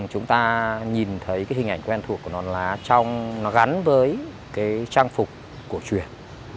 chúng ta nhìn thấy hình ảnh quen thuộc của non lá trong nó gắn với trang phục cổ truyền